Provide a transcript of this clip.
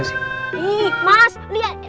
ih mas lihat